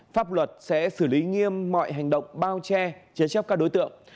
pháp luật sẽ xử lý nghiêm mọi hành động bao che chế chấp các đối tượng